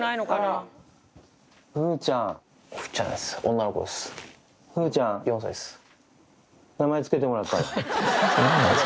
女の子です。